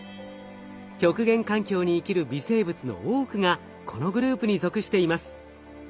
極限環境に生きる微生物の多くがこのグループに属しています。